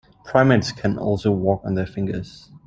Primates can also walk on their fingers.